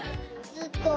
ずーっと。